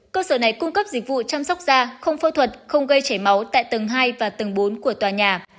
cơ sở này cung cấp dịch vụ chăm sóc da không phẫu thuật không gây chảy máu tại tầng hai và tầng bốn của tòa nhà